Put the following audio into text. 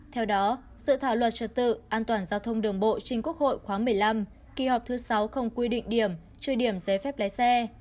theo đó dự thảo luật trật tự an toàn giao thông đường bộ chính quốc hội khoáng một mươi năm kỳ họp thứ sáu không quy định điểm truy điểm giấy phép lái xe